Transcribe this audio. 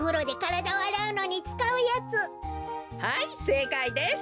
はいせいかいです。